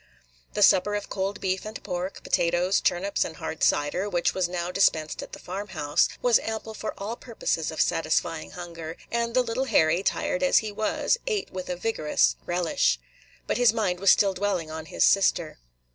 The supper of cold beef and pork, potatoes, turnips, and hard cider, which was now dispensed at the farm house, was ample for all purposes of satisfying hunger; and the little Harry, tired as he was, ate with a vigorous relish. But his mind was still dwelling on his sister.